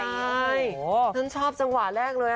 ใช่ฉันชอบจังหวะแรกเลย